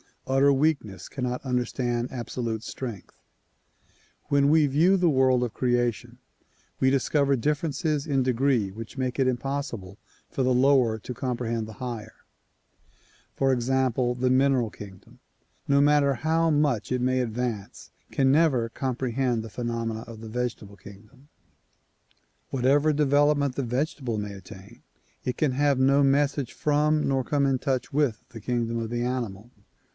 Utter weak ness cannot understand absolute strength. When we view the world of creation we discover differences in degree which make it impossible for the lower to comprehend the higher. For example, the mineral kingdom, no matter how much it may advance can 110 THE PROMULGATION OF UNIVERSAL PEACE never comprehend the phenomena of the vegetable kingdom. Whatever development the vegetable may attain, it can have no message from nor come in touch with the kingdom of the animal.